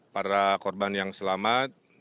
para korban yang selamat